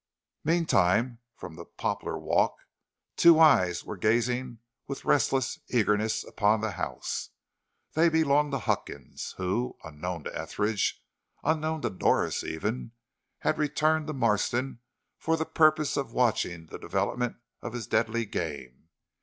Meantime from the poplar walk two eyes were gazing with restless eagerness upon the house. They belonged to Huckins, who, unknown to Etheridge, unknown to Doris even, had returned to Marston for the purpose of watching the development of his deadly game.